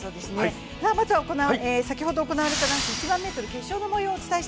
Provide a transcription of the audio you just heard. まずは先ほど行われた男子１００００ｍの決勝です。